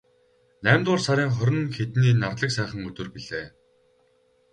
Наймдугаар сарын хорин хэдний нарлаг сайхан өдөр билээ.